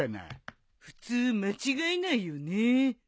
普通間違えないよね。